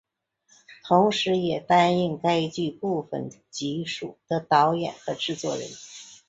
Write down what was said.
同时也担任该剧部分集数的导演和制作人。